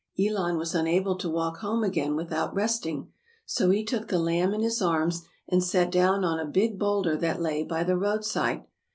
Elon was unable to walk home again with out resting. So he took the lamb in his arms and sat down on a big bowlder that lay by the roadside.